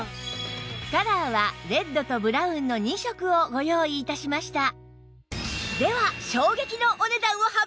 カラーはレッドとブラウンの２色をご用意致しました